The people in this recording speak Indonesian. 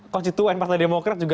konstituen partai demokrat juga